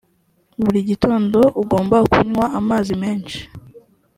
buri gitondo ugomba kunywa amazi menshi